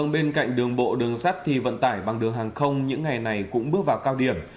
bên cạnh đường bộ đường sắt thì vận tải bằng đường hàng không những ngày này cũng bước vào cao điểm